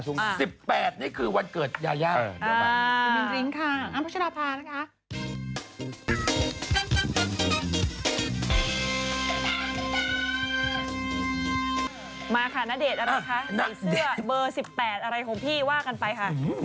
ใส่เสื้อเบอร์๑๘อะไรของพี่ว่ากันไปค่ะ